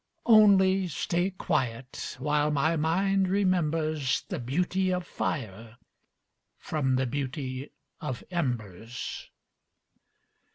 Only stay quiet while my mind remembers The beauty of fire from the beauty of embers.